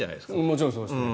もちろんそうですね。